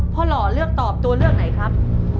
หล่อเลือกตอบตัวเลือกไหนครับ